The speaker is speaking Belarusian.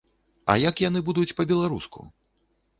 А як яны будуць па-беларуску?